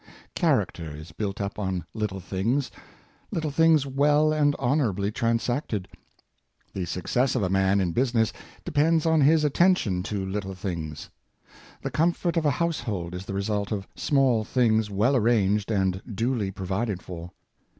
Char acter is built up on little things — little things well and honorably transacted. The success of a man in busi ness depends on his attention to little things. The com fort of a household is the result of small things well arranged and duly provided for.